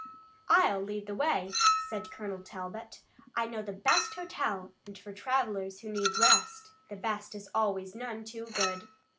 "I'll lead the way," said Colonel Talbot. "I know the best hotel, and for travelers who need rest the best is always none too good."